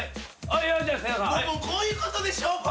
こういうことでしょ？